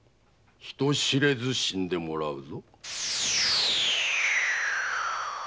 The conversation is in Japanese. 人知れず死んでもらうぞ。